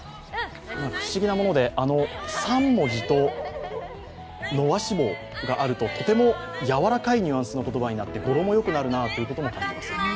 不思議なもので、３文字と伸ばし棒があるととても柔らかいニュアンスの言葉になって語呂もよくなるなと感じます。